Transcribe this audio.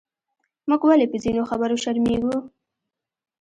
موږ ولې پۀ ځینو خبرو شرمېږو؟